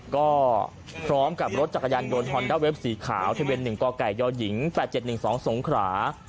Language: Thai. ก็พร้อมกับรถจักรยานยนต์ฮอนด้าเวฟสีขาวทะเบียน๑กกยหญิง๘๗๑๒สงขรา